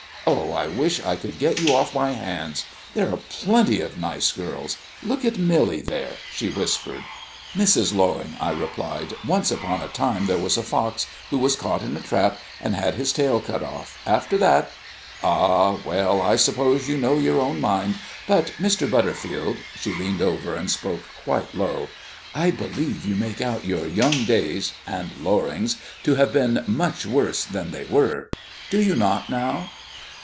Oh, I wish I could get you off my hands. There are plenty of nice girls. Look at Millie there," she whispered. "Mrs. Loring," I replied, "once upon a time there was a fox, who was caught in a trap, and had his tail cut off. After that " "Ah well, I suppose you know your own mind. But, Mr. Butterfield" she leaned over, and spoke quite low "I believe you make out your young days and Loring's to have been much worse than they were. Do you not, now?"